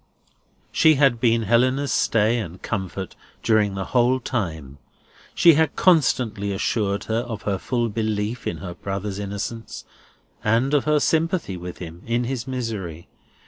She had been Helena's stay and comfort during the whole time. She had constantly assured her of her full belief in her brother's innocence, and of her sympathy with him in his misery.